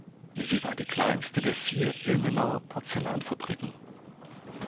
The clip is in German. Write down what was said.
Sie war die kleinste der vier Ilmenauer Porzellanfabriken.